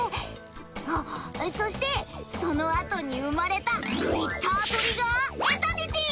あっそしてそのあとに生まれたグリッタートリガーエタニティ！